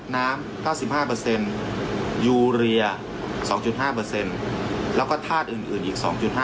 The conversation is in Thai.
น้ำ๙๕ยูเรีย๒๕แล้วก็ธาตุอื่นอีก๒๕